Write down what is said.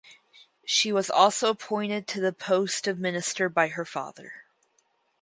She was also appointed to the post of minister by her father.